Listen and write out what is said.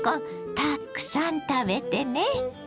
たくさん食べてね。